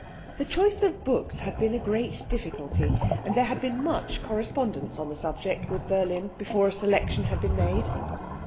The choice of books had been a great difficulty, and there had been much correspondence on the subject with Berlin before a selection had been made.